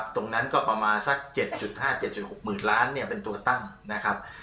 ตรงนั้นก็ประมาณสัก๗๕๗๖หมื่นล้านเป็นตัวตั้งนะครับ